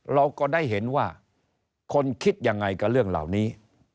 เราก็ได้เห็นว่าคนคิดยังไงกับเรื่องเหล่านี้